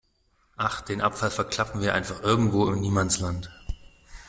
Ach, den Abfall verklappen wir einfach irgendwo im Niemandsland.